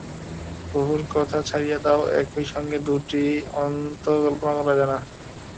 বহুর কথা ছাড়িয়া দাও, একই সঙ্গে দুইটি অনন্তও কল্পনা করা যায় না।